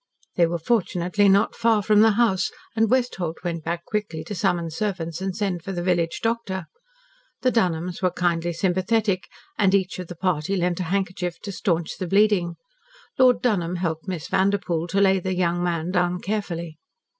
They were fortunately not far from the house, and Westholt went back quickly to summon servants and send for the village doctor. The Dunholms were kindly sympathetic, and each of the party lent a handkerchief to staunch the bleeding. Lord Dunholm helped Miss Vanderpoel to lay the young man down carefully.